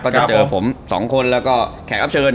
จะเจอผมสองคนแล้วก็แขกรับเชิญ